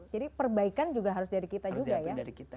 jadi perbaikan juga harus dari kita juga ya